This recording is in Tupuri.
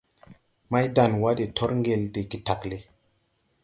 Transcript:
Maydanwa de tɔr ŋgel de getagle.